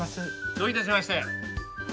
どういたしまして。